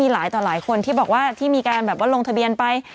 ต่อหลายคนที่บอกว่าที่มีการแบบว่าลงทะเบียนไป